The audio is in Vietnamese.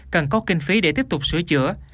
cần có kinh phí để tiếp tục sửa chữa